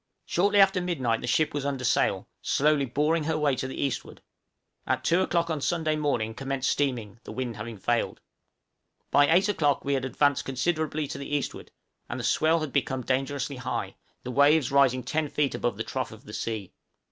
Shortly after midnight the ship was under sail, slowly boring her way to the eastward; at two o'clock on Sunday morning commenced steaming, the wind having failed. By eight o'clock we had advanced considerably to the eastward, and the swell had become dangerously high, the waves rising ten feet above the trough of the sea.